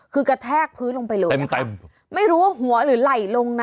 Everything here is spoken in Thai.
คือกระแทกพื้นลงไปเลยเต็มเต็มไม่รู้ว่าหัวหรือไหล่ลงนะ